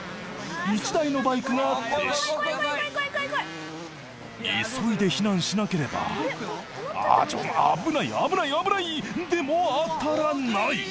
１台のバイクが停止急いで避難しなければああちょっ危ない危ない危ないでも当たらない